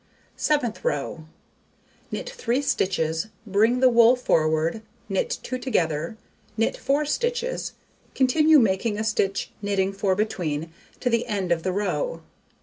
Seventh row: Knit 3 stitches, bring the wool forward, knit 2 together, knit 4 stitches. Continue making a stitch, knitting 4 between, to the end of the row.